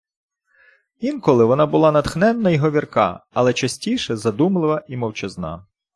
Інколи вона була натхненна й говірка, але частіше - задумлива і мовчазна